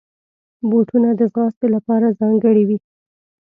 بوټونه د ځغاستې لپاره ځانګړي وي.